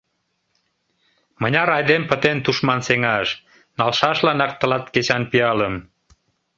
Мыняр айдем пытен тушман сеҥаш, Налшашланак тылат кечан пиалым!